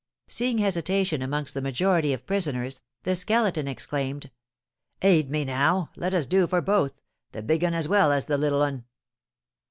Seeing hesitation amongst the majority of prisoners, the Skeleton exclaimed: "Aid me now, let us do for both, the big 'un as well as the little 'un!"